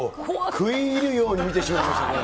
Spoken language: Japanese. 食い入るように、見てしまいましたね。